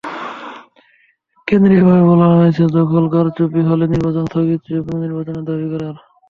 কেন্দ্রীয়ভাবে বলা হয়েছে, দখল, কারচুপি হলে নির্বাচন স্থগিত চেয়ে পুনর্নির্বাচনের দাবি করার।